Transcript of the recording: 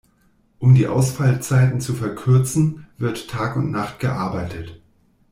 Um die Ausfallzeiten zu verkürzen, wird Tag und Nacht gearbeitet.